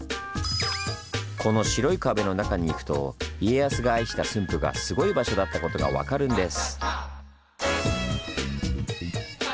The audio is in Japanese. この白い壁の中に行くと家康が愛した駿府がすごい場所だったことが分かるんです。